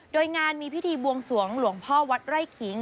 โดยงานมีพิธีบวงสวงหลวงพ่อวัดไร่ขิง